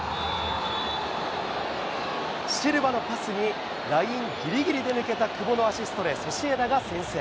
シルバのパスに、ラインぎりぎりで抜けた久保のアシストで、ソシエダが先制。